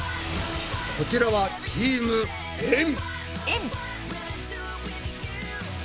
こちらはチームエん。